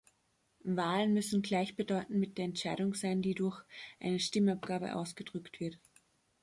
Wahlen müssen gleichbedeutend mit der Entscheidung sein, die durch eine Stimmabgabe ausgedrückt wird.